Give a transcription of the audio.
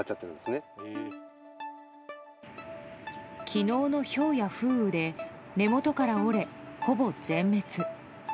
昨日のひょうや風雨で根本から折れ、ほぼ全滅。